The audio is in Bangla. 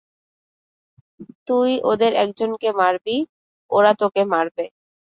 তুই ওদের একজনকে মারবি, ওরা তোকে মারবে।